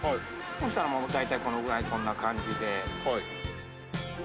・そしたらもう大体このぐらいこんな感じで・はい。